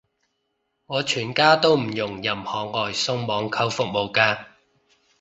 我全家都唔用任何外送網購服務嘅